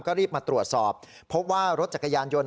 ก็รีบมาตรวจสอบพบว่ารถจักรยานยนต์